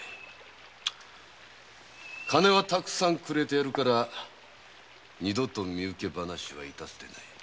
金はたくさんくれてやるから二度とその話はいたすでない。